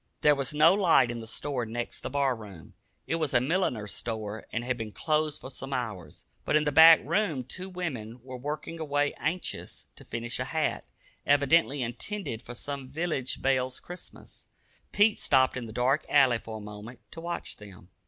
There was no light in the store next the bar room. It was a milliner's store and had been closed for some hours. But in the back room two women were working away anxious to finish a hat, evidently intended for some village belle's Christmas. Pete stopped in the dark alley for a moment to watch them.